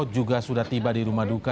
juga sudah tiba di rumah duka